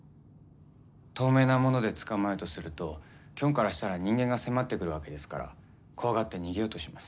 透明なもので捕まえようとするとキョンからしたら人間が迫ってくるわけですから怖がって逃げようとします。